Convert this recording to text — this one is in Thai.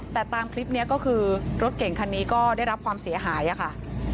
แต่ตามคลิปนี้ก็คือรถเก่งคันนี้ก็ได้รับความเสียหายค่ะ